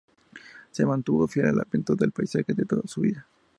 Se mantuvo fiel a la pintura de paisaje de toda su vida.